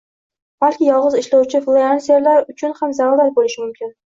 balki yolg’iz ishlovchi frilanserlar uchun ham zarurat bo’lishi mumkin